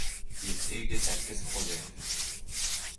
• Yetti uyga sakkiz xo‘jayin.